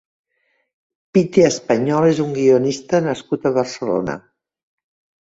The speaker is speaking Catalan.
Piti Español és un guionista nascut a Barcelona.